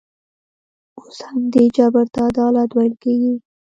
اوس همدې جبر ته عدالت ویل کېږي.